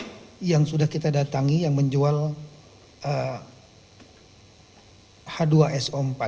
dan juga ada yang sudah kita datangi yang menjual h dua so empat